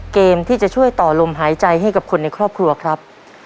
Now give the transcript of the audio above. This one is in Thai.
เกมที่จะช่วยต่อลมหายใจให้กับคนในครอบครัวครับ